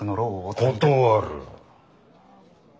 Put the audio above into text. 断る。